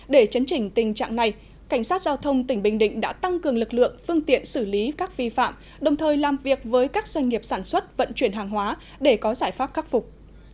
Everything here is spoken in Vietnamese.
để chấn chỉnh tình trạng này cảnh sát giao thông tỉnh bình định đã tăng cường lực lượng phương tiện xử lý các vi phạm đồng thời làm việc với các doanh nghiệp sản xuất vận chuyển hàng hóa để có giải pháp khắc phục